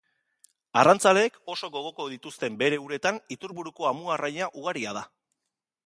Arrantzaleek oso gogoko dituzten bere uretan iturburuko amuarraina ugaria da.